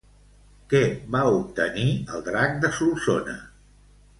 Què va obtenir el drac de Solsona?